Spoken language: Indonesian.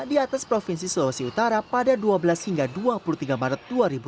di atas provinsi sulawesi utara pada dua belas hingga dua puluh tiga maret dua ribu dua puluh